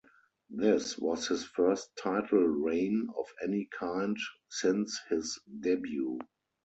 This was his first title reign of any kind since his debut.